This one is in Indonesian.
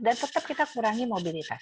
dan tetap kita kurangi mobilitas